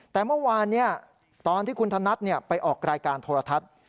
แต่เมื่อวานตอนที่คุณธนัดไปออกรายการโทรทัศน์